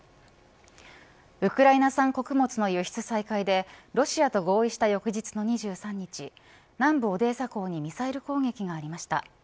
ウクライナ産穀物の輸出再開でロシアと合意した翌日の２３日南部オデーサ港にミサイル攻撃がありました。